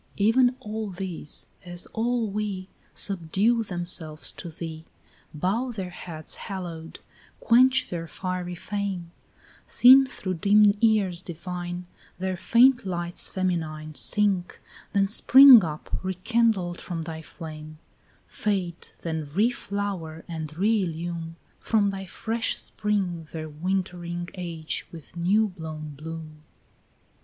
16 Even all these as all we Subdue themselves to thee, Bow their heads haloed, quench their fiery fame; Seen through dim years divine, Their faint lights feminine Sink, then spring up rekindled from thy flame; Fade, then reflower and reillume From thy fresh spring their wintering age with new blown bloom.